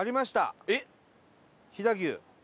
飛騨牛。